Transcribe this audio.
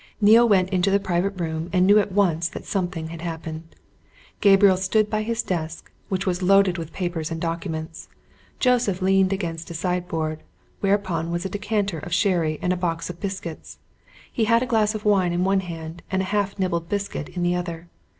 Neale went into the private room and knew at once that something had happened. Gabriel stood by his desk, which was loaded with papers and documents; Joseph leaned against a sideboard, whereon was a decanter of sherry and a box of biscuits; he had a glass of wine in one hand, and a half nibbled biscuit in the other.